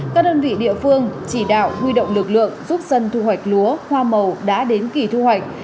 các đơn vị địa phương chỉ đạo huy động lực lượng giúp dân thu hoạch lúa hoa màu đã đến kỳ thu hoạch